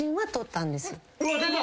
うわ出た！